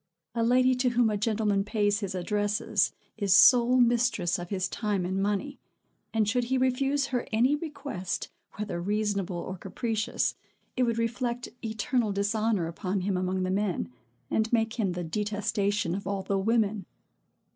A lady to whom a gentleman pays his addresses, is sole mistress of his time and money; and, should he refuse her any request, whether reasonable or capricious, it would reflect eternal dishonor upon him among the men, and make him the detestation of all the women.